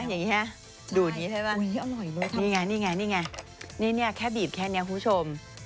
อย่างนี้เลยใช่มั้ยดูดนี้ใช่มั้ยนี่ไงนี่ไงแค่บีบแค่นี้คุณผู้ชม